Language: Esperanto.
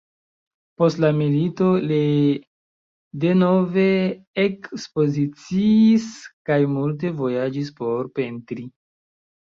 Post la milito le denove ekspoziciis kaj multe vojaĝis por pentri.